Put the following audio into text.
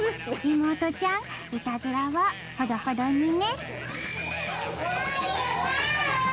妹ちゃんイタズラはほどほどにね